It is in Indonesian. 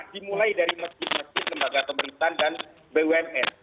dimulai dari masjid masjid lembaga pemerintahan dan bumn